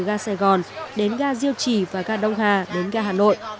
gà sài gòn đến gà diêu trì và gà đông hà đến gà hà nội